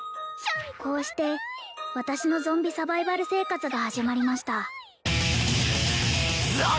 こうして私のゾンビサバイバル生活が始まりました